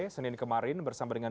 senin kemarin bersama dengan